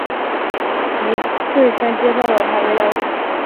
倪柝声接受了他的邀请。